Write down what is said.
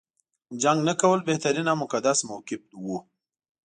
جنګ نه کول بهترین او مقدس موقف و.